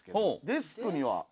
デスクには。